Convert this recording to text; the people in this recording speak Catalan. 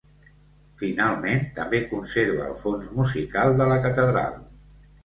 Finalment, també conserva el fons musical de la Catedral.